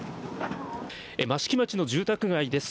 益城町の住宅街です。